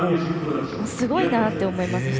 すごいなと思います。